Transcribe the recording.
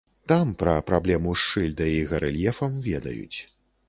Там пра праблему з шыльдай і гарэльефам ведаюць.